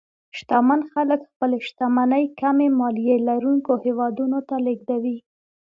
شتمن خلک خپلې شتمنۍ کمې مالیې لرونکو هېوادونو ته لېږدوي.